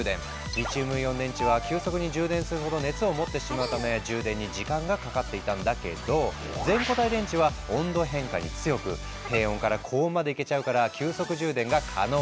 リチウムイオン電池は急速に充電するほど熱を持ってしまうため充電に時間がかかっていたんだけど全固体電池は温度変化に強く低温から高温までいけちゃうから急速充電が可能に。